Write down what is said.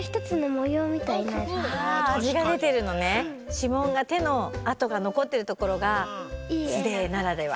指紋が手のあとがのこってるところが素手絵ならでは？